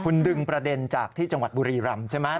คุณดึงประเด็นจากที่จังหวัดบุรีรำใช่ไหม